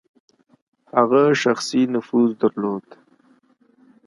هغه شخصي نفوذ درلود.